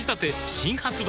新発売